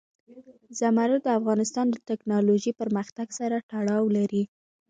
زمرد د افغانستان د تکنالوژۍ پرمختګ سره تړاو لري.